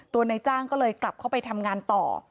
นายจ้างก็เลยกลับเข้าไปทำงานต่อ